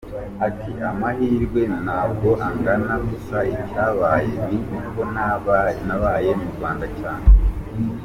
Ati “Amahirwe ntabwo angana, gusa icyabaye ni uko ntabaye mu Rwanda cyane.